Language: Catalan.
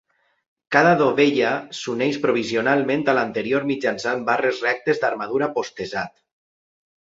Cada dovella s'uneix provisionalment a l'anterior mitjançant barres rectes d'armadura posttesat.